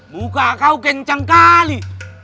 muka kau kencang kali